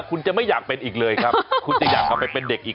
คุณเห็นธีราของเด็กมั้ย